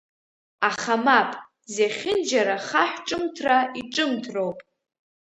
Аха мап, зехьынџьара хаҳә-ҿымҭра иҿымҭроуп!